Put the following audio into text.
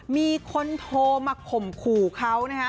มีคนโทรมาข่มขู่เขานะฮะ